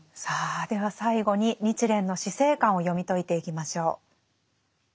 さあでは最後に日蓮の死生観を読み解いていきましょう。